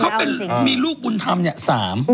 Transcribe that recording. อายุ๘ขวบใช่ไหม